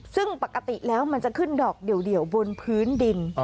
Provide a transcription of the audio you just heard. ซึ่งปกติแล้วมันจะขึ้นดอกเดียวบนพื้นดิน